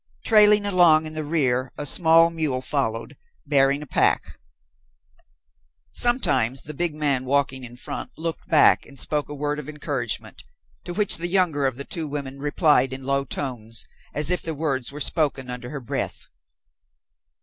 Trailing along in the rear a small mule followed, bearing a pack. Sometimes the big man walking in front looked back and spoke a word of encouragement, to which the younger of the two women replied in low tones, as if the words were spoken under her breath.